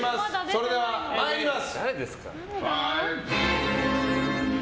それでは、参ります。